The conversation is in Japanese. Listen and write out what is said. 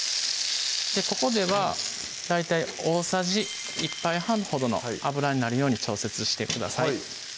ここでは大体大さじ１杯半ほどのあぶらになるように調節してください